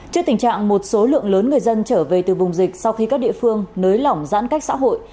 trước tình trạng một số lượng lớn người dân trở về từ vùng dịch sau khi các địa phương nới lỏng giãn cách xã hội